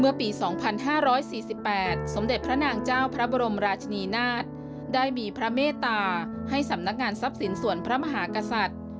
ปี๒๕๔๘สมเด็จพระนางเจ้าพระบรมราชนีนาฏได้มีพระเมตตาให้สำนักงานทรัพย์สินส่วนพระมหากษัตริย์